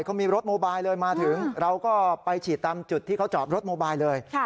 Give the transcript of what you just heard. เขามีรถโมบายเลยมาถึงเราก็ไปฉีดตามจุดที่เขาจอดรถโมบายเลย